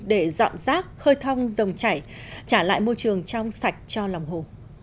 để dọn rác khơi thong dồng chảy trả lại môi trường trong sạch cho lòng hồ